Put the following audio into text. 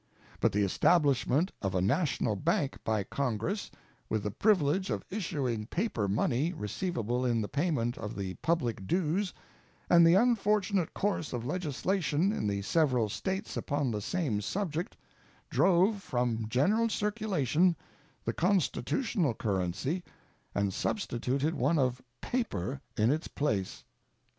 But the establishment of a national bank by Congress, with the privilege of issuing paper money receivable in the payment of the public dues, and the unfortunate course of legislation in the several States upon the same subject, drove from general circulation the constitutional currency and substituted one of paper in its place.